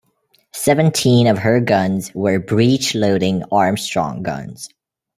Seventeen of her guns were breech-loading Armstrong Guns.